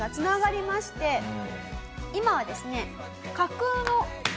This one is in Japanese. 今はですね。